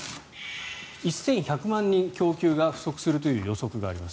１１００万人供給が不足するという予測があります。